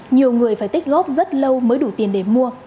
nhiều người phải tích góp rất lâu mới đủ tiền để mua